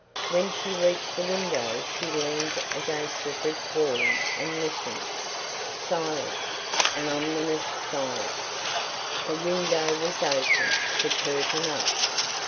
When she reached the window she leaned against the brick wall and listened. Silence; an ominous silence. The window was open, the curtain up.